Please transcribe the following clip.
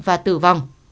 và tử vong